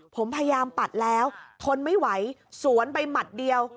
ผมพยายามปัดแล้วทนไม่ไหวสวนไปหมัดเดียว